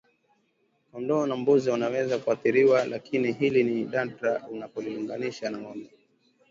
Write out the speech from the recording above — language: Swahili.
Kondoo na mbuzi wanaweza kuathiriwa lakini hili ni nadra unapolinganisha na ngombe